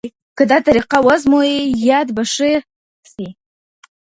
که دا طریقه وازمویئ یاد به ښه شي.